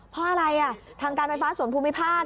เพราะอะไรทางการไฟฟ้าส่วนภูมิภาค